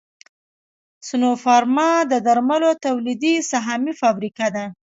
سنوفارما د درملو تولیدي سهامي فابریکه ده